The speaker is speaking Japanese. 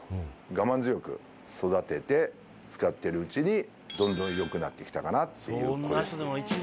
我慢強く育てて使っているうちに、どんどんよくなってきたかなっていう子。